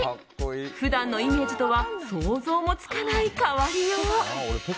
普段のイメージとは想像もつかない変わりよう。